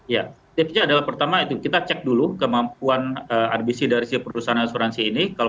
ya tipsnya adalah pertama itu kita cek dulu kemampuan rbc dari si perusahaan asuransi ini